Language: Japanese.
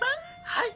はい。